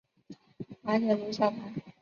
滑铁卢教堂。